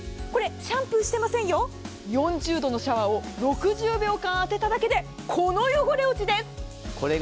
シャンプーしてませんよ、４０度のシャワーを６０秒間当てただけでこの汚れ落ちです。